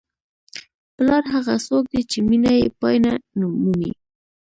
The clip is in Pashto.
پلار هغه څوک دی چې مینه یې پای نه مومي.